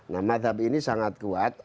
nah madhab ini sangat kuat